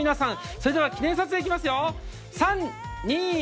それでは記念撮影、いきますよ。